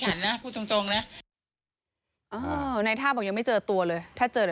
หลังถ้าเกิดเห็นแล้วเขาได้มาเล่าให้เราฟังไหม